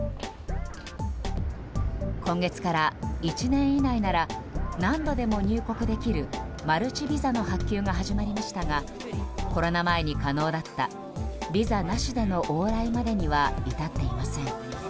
今月から１年以内なら何度でも入国できるマルチビザの発給が始まりましたがコロナ前に可能だったビザなしでの往来までには至っていません。